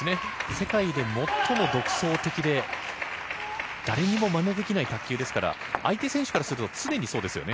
世界で最も独創的で誰にもまねできない卓球ですから相手選手からすると常にそうですよね。